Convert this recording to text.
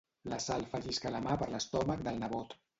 La Sal fa lliscar la mà per l'estómac del nebot.